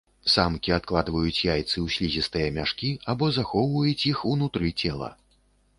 Самкі адкладваюць яйцы ў слізістыя мяшкі або захоўваюць іх унутры цела.